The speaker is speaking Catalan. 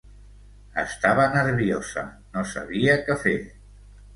Estava nerviosa, no sabia què fer.